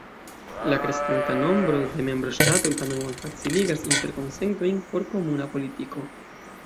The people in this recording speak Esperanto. La kreskanta nombro de membroŝtatoj tamen malfaciligas interkonsentojn por komuna politiko.